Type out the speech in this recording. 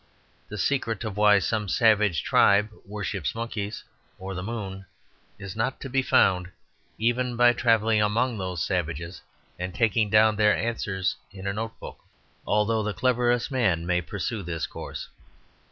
The secret of why some savage tribe worships monkeys or the moon is not to be found even by travelling among those savages and taking down their answers in a note book, although the cleverest man may pursue this course.